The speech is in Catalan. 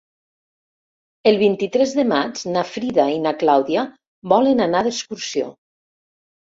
El vint-i-tres de maig na Frida i na Clàudia volen anar d'excursió.